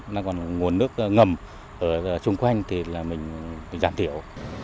nó còn nguồn nước ngầm ở xung quanh thì là mình giảm thiểu